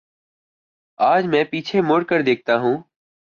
آج میں پیچھے مڑ کر دیکھتا ہوں۔